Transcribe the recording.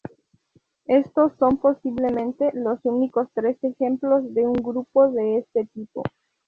Estos son posiblemente los únicos tres ejemplos de un grupo de este tipo.